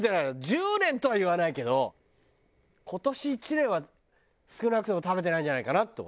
１０年とは言わないけど今年１年は少なくとも食べてないんじゃないかなと。